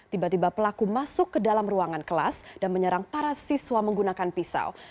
tiba tiba pelaku masuk ke dalam ruangan kelas dan menyerang para siswa menggunakan pisau